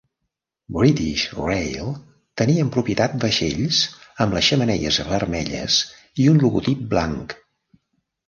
British Rail tenia en propietat vaixells amb les xemeneies vermelles i un logotip blanc.